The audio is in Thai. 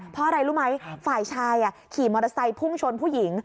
เพราะอะไรรู้ไหมฝ่ายชายขี่มอเตอร์ไซค์พุ่งชนผู้หญิง